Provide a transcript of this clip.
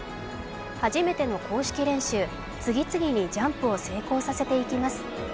初めての公式練習、次々にジャンプを成功させていきます。